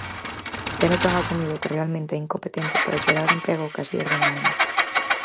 Teno tan asumido que realmente é incompetente para xerar emprego que así as denomina.